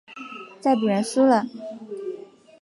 再不然输了？